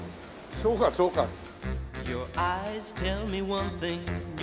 そうかそうか。